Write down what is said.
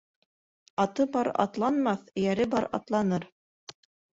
Аты бар атланмаҫ, эйәре бар атланыр.